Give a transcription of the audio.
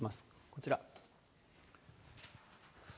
こちら。